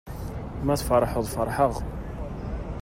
Ma tfeṛḥeḍ feṛḥeƔ.